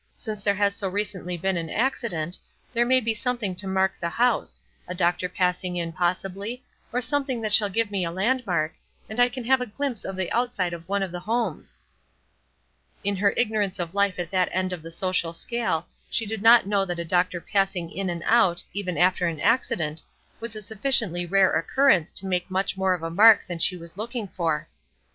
Since there has so recently been an accident, there may be something to mark the house, a doctor passing in, possibly, or something that shall give me a landmark, and I can have a glimpse of the outside of one of the homes." In her ignorance of life at that end of the social scale she did not know that a doctor passing in and out, even after an accident, was a sufficiently rare occurrence to make much more of a mark than she was looking for.